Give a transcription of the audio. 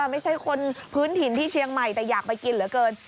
ไม่ใช่คนพื้นถิ่นที่เชียงใหม่แต่อยากไปกินเหลือเกิน